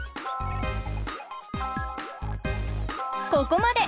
ここまで！